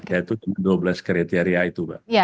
yaitu dengan dua belas kriteria itu